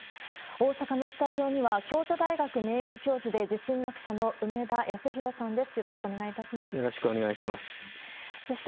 大阪のスタジオには、京都大学名誉教授で地震学者の梅田康弘さんです。